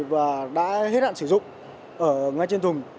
và đã hết hạn sử dụng ngay trên thùng